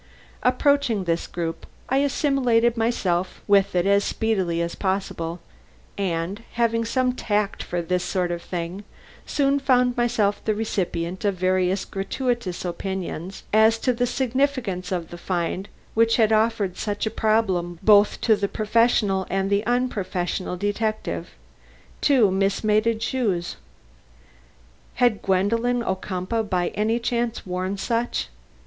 Approaching this group, I assimilated myself with it as speedily as possible, and, having some tact for this sort of thing, soon found myself the recipient of various gratuitous opinions as to the significance of the find which had offered such a problem both to the professional and unprofessional detective. Two mis mated shoes! Had Gwendolen Ocumpaugh by any chance worn such?